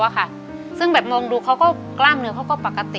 ของอุปสรรคให้เขาอะค่ะซึ่งเหมือนมองดูเขาก็กล้ามเนื้อเขาก็ปกติ